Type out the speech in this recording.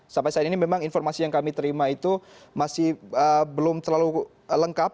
sampai saat ini memang informasi yang kami terima itu masih belum terlalu lengkap